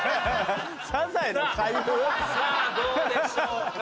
さぁどうでしょうか？